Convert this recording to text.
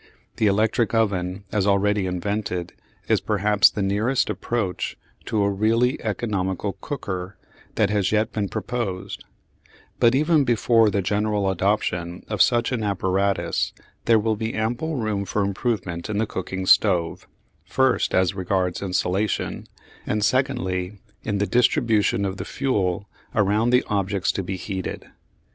The electric oven, as already invented, is perhaps the nearest approach to a really economical "cooker" that has yet been proposed; but even before the general adoption of such an apparatus there will be ample room for improvement in the cooking stove, first as regards insulation, and secondly in the distribution of the fuel around the objects to be heated.